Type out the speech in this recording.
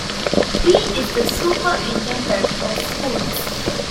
D is the Superintendent of Schools.